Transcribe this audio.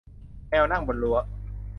แมวนั่งบนรั้ว